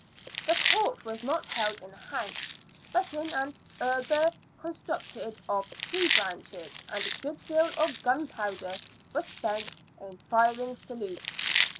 The court was not held in a house, but in an arbour constructed of tree branches, and a good deal of gunpowder was spent in firing salutes.